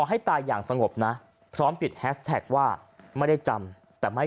ให้ตายอย่างสงบนะพร้อมติดแฮสแท็กว่าไม่ได้จำแต่ไม่